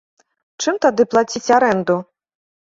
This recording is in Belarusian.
Чым тады плаціць арэнду?